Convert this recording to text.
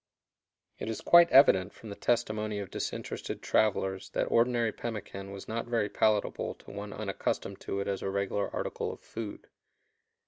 It is quite evident from the testimony of disinterested travelers that ordinary pemmican was not very palatable to one unaccustomed to it as a regular article of food.